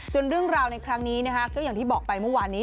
เรื่องราวในครั้งนี้นะคะก็อย่างที่บอกไปเมื่อวานนี้